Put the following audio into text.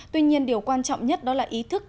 tuy nhiên điều quan trọng nhất đó là ý thức